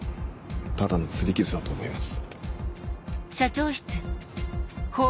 ただの擦り傷だと思います。